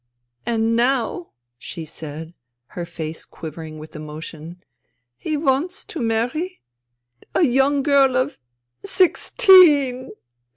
" And now," she said, her face quivering with emotion, "... he wants to marry ... a young girl of ... sixteen.